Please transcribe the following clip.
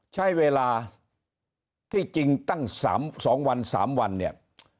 ใช้เวลาที่จริงตั้ง๓๒วัน๓วันเนี่ย